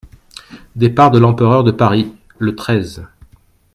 Départ de l'empereur de Paris, le treize.